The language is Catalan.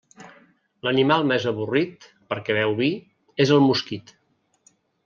L'animal més avorrit, perquè beu vi, és el mosquit.